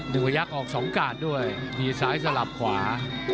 ๑พยักษ์ออก๒กาทด้วยดีสายสลับขวา